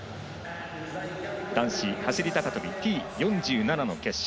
男子走り高跳びＴ４７の決勝。